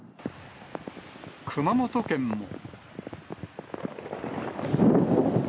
熊本県も。